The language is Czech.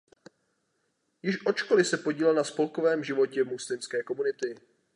Již od školy se podílel na spolkovém životě muslimské komunity.